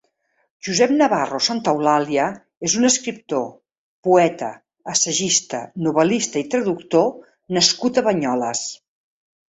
Josep Navarro Santaeulàlia és un escriptor, poeta, assagista, novel·lista i traductor nascut a Banyoles.